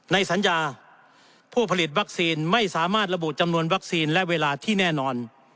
ในสัญญาผู้ผลิตวัคซีนไม่สามารถระบุจำนวนวัคซีนและเวลาที่แน่นอน